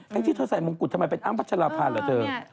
ทั้งที่เธอใส่มงกุธทำไมเป็นอ้ำปัจจาราภัณฑ์เหรอเธอ